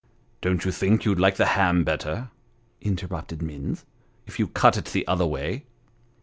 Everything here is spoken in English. "Don't you think you'd like the ham better," interrupted Minns. " if you cut it the other way